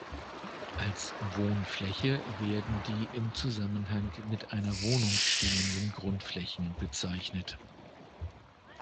Als Wohnfläche werden die im Zusammenhang mit einer Wohnung stehenden Grundflächen bezeichnet.